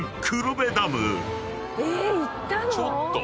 ちょっと！